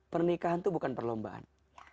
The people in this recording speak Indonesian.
pernikahan itu bukan perlombaan